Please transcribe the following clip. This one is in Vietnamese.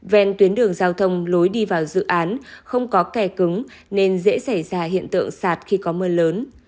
ven tuyến đường giao thông lối đi vào dự án không có kè cứng nên dễ xảy ra hiện tượng sạt khi có mưa lớn